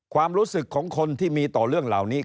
ความรู้สึกของคนที่มีต่อเรื่องเหล่านี้